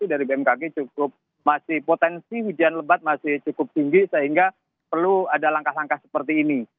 dari bmkg cukup masih potensi hujan lebat masih cukup tinggi sehingga perlu ada langkah langkah seperti ini